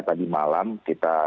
tadi malam kita